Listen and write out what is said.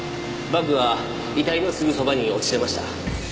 バッグは遺体のすぐそばに落ちてました。